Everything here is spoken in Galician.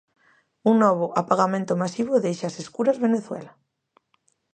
Un novo apagamento masivo deixa ás escuras Venezuela.